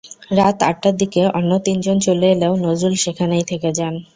রাত আটটার দিকে অন্য তিনজন চলে এলেও নজরুল সেখানেই থেকে যান।